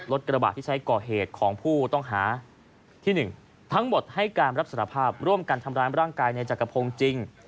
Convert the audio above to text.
รถกระบะที่ใช้ก่อเหตุของผู้ต้องหาที่๑ทั้งหมดให้การรับสารภาพร่วมกันทำร้ายร่างกายในจักรพงศ์จริง